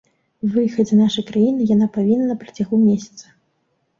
Выехаць з нашай краіны яна павінна на працягу месяца.